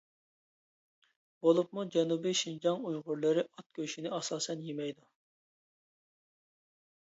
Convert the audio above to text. بولۇپمۇ جەنۇبىي شىنجاڭ ئۇيغۇرلىرى ئات گۆشىنى ئاساسەن يېمەيدۇ.